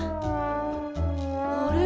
あれ？